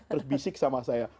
terus bisik sama saya